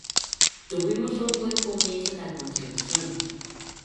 Tuvimos un buen comienzo en la construcción.